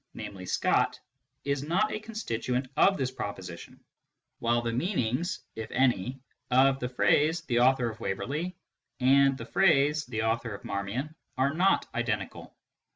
namely Scott, is not a constituent of this proposition, while the meanings (if any) of " the author of Waverley " and " the author of Marmion " are not identical.